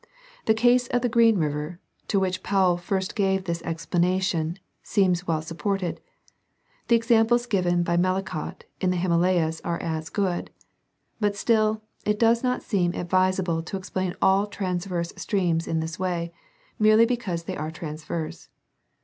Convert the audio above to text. The case of the Green river, to which Powell first gave this explanation, seems well supported ; the examples given by Medlicott in the Himalayas are as good : but still it does not seem advisable to explain all transverse streams in this way, merely because they are transverse.